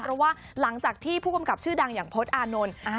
เพราะว่าหลังจากที่ผู้กำกับชื่อดังอย่างพจน์อานนท์